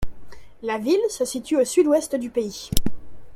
La ville se situe au sud-ouest du pays.